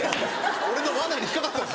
俺の罠に引っ掛かったんです。